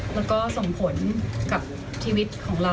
แล้วก็ส่งผลกับชีวิตของเรา